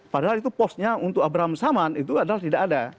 padahal itu posnya untuk abraham saman itu adalah tidak ada